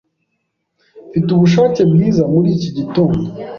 Mfite ubushake bwiza muri iki gitondo.